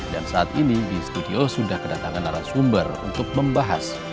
dan saat ini di studio sudah kedatangan arah sumber untuk membahas